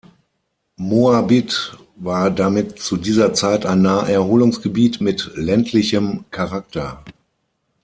Moabit war damit zu dieser Zeit ein Naherholungsgebiet mit ländlichem Charakter.